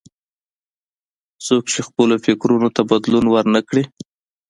څوک چې خپلو فکرونو ته بدلون ور نه کړي.